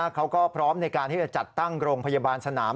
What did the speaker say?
เขาก็พร้อมในการที่จะจัดตั้งโรงพยาบาลสนาม